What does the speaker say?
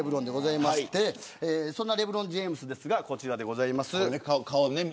そんなレブロン・ジェームズですが、こちらです。